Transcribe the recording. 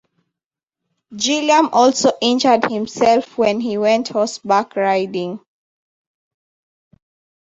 Gilliam also injured himself when he went horseback riding.